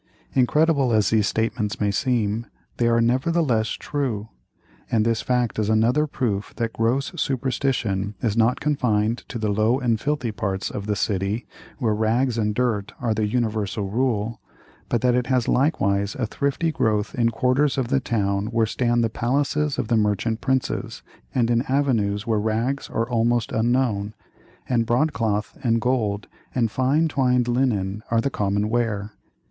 Incredible as these statements may seem, they are nevertheless true, and this fact is another proof that gross superstition is not confined to the low and filthy parts of the city, where rags and dirt are the universal rule, but that it has likewise a thrifty growth in quarters of the town where stand the palaces of the "merchant princes," and in avenues where rags are almost unknown, and broadcloth, and gold, and fine twined linen are the common wear.